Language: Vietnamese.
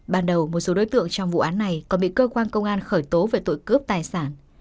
ban đầu một số đối tượng trong vụ án này còn bị cơ quan công an khởi tố về tội cướp tài sản